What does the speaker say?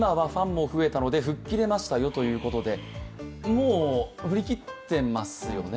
もう振り切ってますよね。